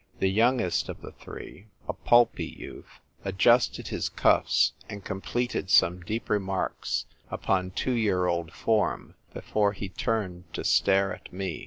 The youngest of the three, a pulpy youth, adjusted his cuffs, and completed some deep remarks upon two year old form before he turned to stare at me.